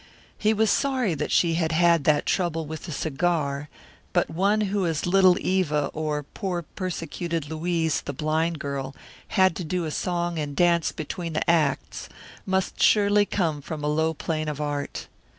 He was sorry that she had had that trouble with the cigar, but one who as Little Eva or poor persecuted Louise, the blind girl, had to do a song and dance between the acts must surely come from a low plane of art.